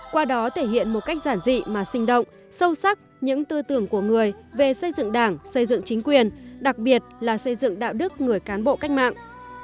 qua đó thể hiện một cách giản dị mà sinh động sâu sắc những tư tưởng của người về xây dựng đảng xây dựng chính quyền đặc biệt là xây dựng đạo đức người cán bộ cách mạng